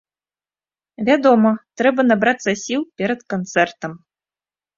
Вядома, трэба набрацца сіл перад канцэртам.